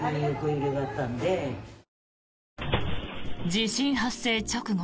地震発生直後